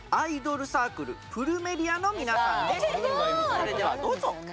それではどうぞ！